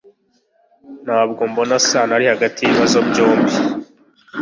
Ntabwo mbona isano iri hagati yibibazo byombi.